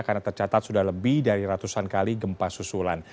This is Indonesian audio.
karena tercatat sudah lebih dari ratusan kali gempa susulan